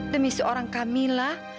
demi seorang kamila